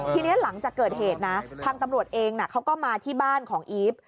ทีนี้หลังจากเกิดเหตุนะทางตำรวจเองเขาก็มาที่บ้านของอีฟ